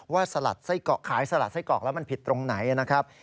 สลัดขายสลัดไส้กรอกแล้วมันผิดตรงไหนนะครับ